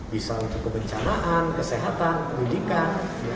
bisa untuk kebencanaan kesehatan pendidikan